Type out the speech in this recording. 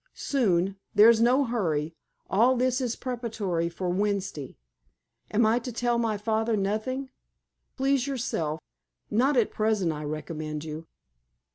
"Soon. There's no hurry. All this is preparatory for Wednesday." "Am I to tell my father nothing?" "Please yourself. Not at present. I recommend you."